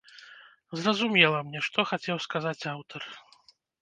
Зразумела мне, што хацеў сказаць аўтар.